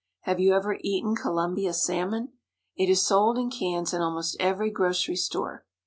Have you ever eaten Columbia salmon? It is sold in cans in almost every grocery store.